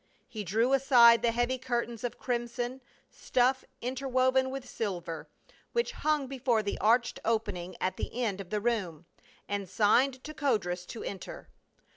He drew aside the heavy curtains of crimson stuff inter woven with silver, which hung before the arched opening at the end of the room, and signed to Codrus to enter.